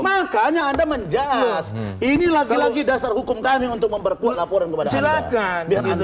makanya anda menjalas ini lagi lagi dasar hukum kami untuk memperkuat laporan kepada silakan